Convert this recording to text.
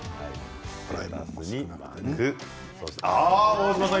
大島さん